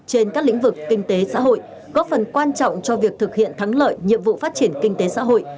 trên các lĩnh vực kinh tế xã hội góp phần quan trọng cho việc thực hiện thắng lợi nhiệm vụ phát triển kinh tế xã hội